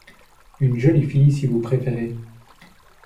Une jolie fille, si vous préférez…